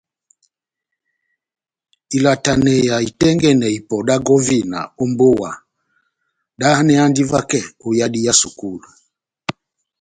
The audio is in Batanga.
Ilataneya itɛ́ngɛ́nɛ ipɔ dá gɔvina ó mbówa dáháneyandi vakɛ ó yadi yá sukulu.